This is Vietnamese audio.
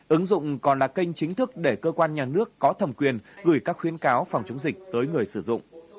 ứng dụng còn là kênh chính thức để cơ quan nhà nước có thẩm quyền gửi các khuyến cáo phòng chống dịch tới người sử dụng